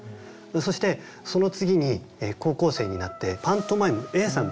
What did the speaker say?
そしてその次に高校生になってパントマイムＡさん